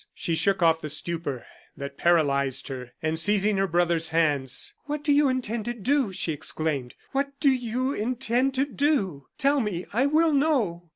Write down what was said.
She shook off the stupor that paralyzed her, and seizing her brother's hands: "What do you intend to do?" she exclaimed. "What do you intend to do? Tell me; I will know."